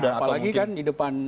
apalagi kan di depan